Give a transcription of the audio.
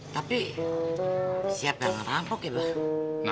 tapi siapa yang ngerampok ya mbah